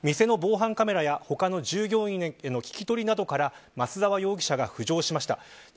店の防犯カメラや他の従業員への聞き取りなどから松沢容疑者が浮上しました。